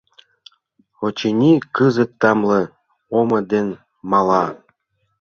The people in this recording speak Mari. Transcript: Очыни, кызыт тамле омо дене мала.